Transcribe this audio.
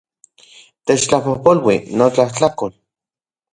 Techtlapojpolui, notlajtlakol